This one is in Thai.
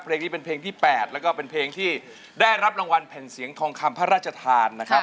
เพลงนี้เป็นเพลงที่๘แล้วก็เป็นเพลงที่ได้รับรางวัลแผ่นเสียงทองคำพระราชทานนะครับ